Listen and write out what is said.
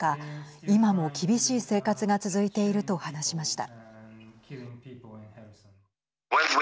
今も厳しい生活が続いていると話しました。